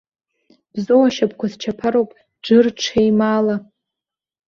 Бзоу ашьапқәа счаԥароуп џыр ҽеимаала.